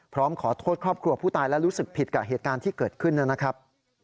พร้อมขอโทษครอบครัวผู้ตายและรู้สึกผิดกับเหตุการณ์ที่เกิดขึ้นนะครับ